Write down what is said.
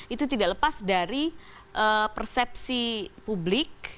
itu tidak lepas dari persepsi publik